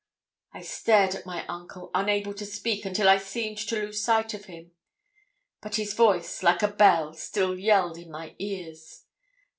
I stared at my uncle, unable to speak, until I seemed to lose sight of him; but his voice, like a bell, still yelled in my ears.